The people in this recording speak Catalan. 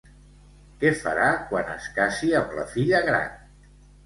Què farà quan es casi amb la filla gran?